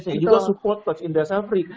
saya juga support coach indra safri